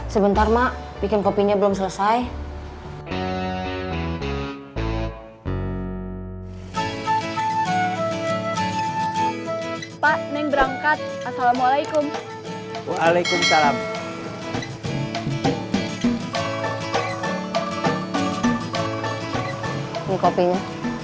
sampai jumpa di video selanjutnya